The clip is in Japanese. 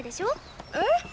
えっ？